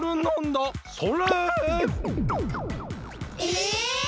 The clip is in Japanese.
え！